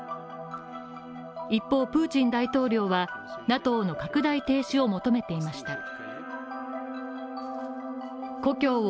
一方、プーチン大統領はＮＡＴＯの拡大停止を求めていました。